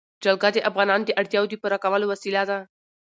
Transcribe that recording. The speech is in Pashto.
جلګه د افغانانو د اړتیاوو د پوره کولو وسیله ده.